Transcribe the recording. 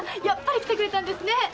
やっぱり来てくれたんですね。